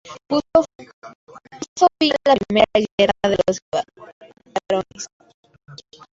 Puso fin a la Primera Guerra de los Barones.